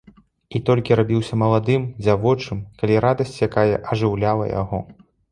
І толькі рабіўся маладым, дзявочым, калі радасць якая ажыўляла яго.